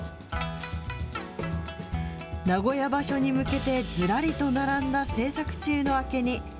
名古屋場所に向けてずらりと並んだ制作中の明け荷。